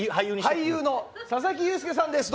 俳優の佐々木優介さんです。